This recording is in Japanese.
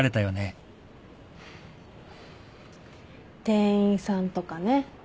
店員さんとかね。